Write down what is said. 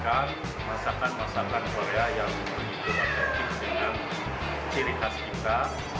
kita masih mempertahankan masakan masakan korea yang begitu beragam dengan ciri khas kita